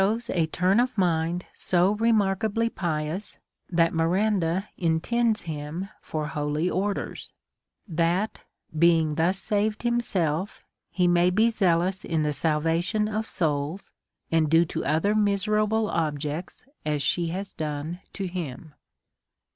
Sl a turn of mind so remarkably pious, that Miranda in tends him for holy orders ; that being thus saved him self, he may be zealous in the salvation of souls, and do to other miserable objects as she lias done to him.